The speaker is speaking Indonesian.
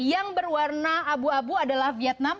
yang berwarna abu abu adalah vietnam